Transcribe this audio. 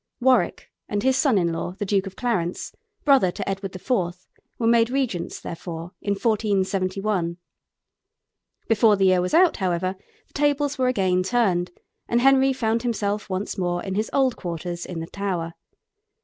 Warwick and his son in law, the Duke of Clarence, brother to Edward IV., were made regents, therefore, in 1471. Before the year was out, however, the tables were again turned, and Henry found himself once more in his old quarters in the Tower.